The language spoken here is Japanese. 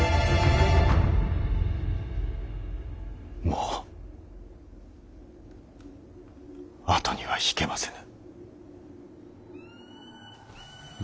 もう後には引けませぬ。